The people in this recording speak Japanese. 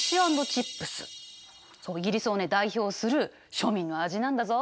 イギリスをね代表する庶民の味なんだぞ。